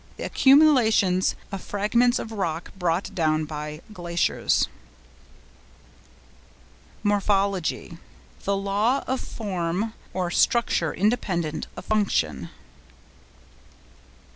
—The accumulations of fragments of rock brought down by glaciers. MORPHOLOGY.—The law of form or structure independent of function.